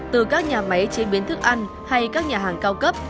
từ các nhà máy chế biến thức ăn hay các nhà hàng cao cấp